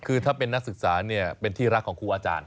คือถ้าเป็นนักศึกษาเป็นที่รักของครูอาจารย์